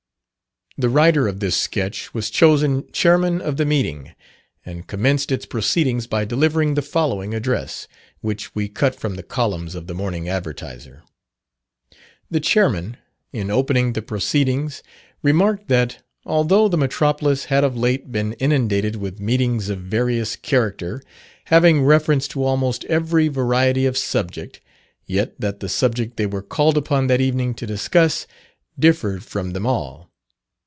The writer of this sketch was chosen Chairman of the meeting, and commenced its proceedings by delivering the following address, which we cut from the columns of the Morning Advertiser: "The Chairman, in opening the proceedings, remarked that, although the metropolis had of late been inundated with meetings of various character, having reference to almost every variety of subject, yet that the subject they were called upon that evening to discuss differed from them all.